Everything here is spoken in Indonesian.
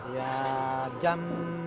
ya jam lima